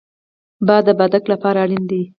باد د بادک لپاره اړین دی